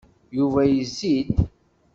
Yuba yezzi-d